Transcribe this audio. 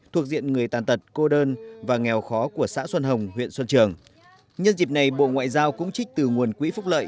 thuộc diện người tàn tật cô đơn và nghèo khó của xã xuân hồng huyện xuân trường nhân dịp này bộ ngoại giao cũng trích từ nguồn quỹ phúc lợi